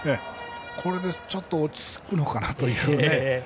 これでちょっと落ち着くのかなというね。